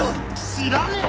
知らねえよ！